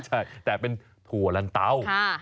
ใช่แต่เป็นผัวลันเตา